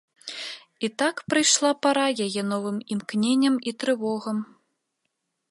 І так прыйшла пара яе новым імкненням і трывогам.